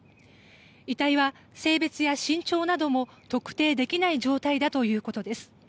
遺体は性別や身長なども特定できない状態だということです。